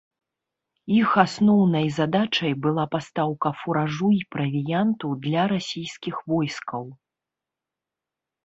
Іх асноўнай задачай была пастаўка фуражу і правіянту для расійскіх войскаў.